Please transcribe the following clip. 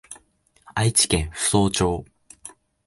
愛知県扶桑町